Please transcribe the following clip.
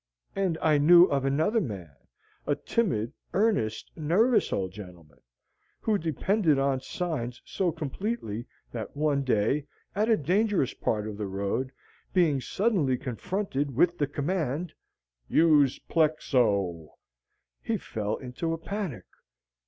And I knew of another man a timid, earnest, nervous old gentleman who depended on signs so completely that one day, at a dangerous part of the road, being suddenly confronted with the command: USE PLEXO he fell into a panic.